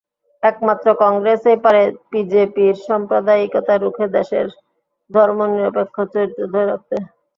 একমাত্র কংগ্রেসই পারে বিজেপির সাম্প্রদায়িকতা রুখে দেশের ধর্মনিরপেক্ষ চরিত্র ধরে রাখতে।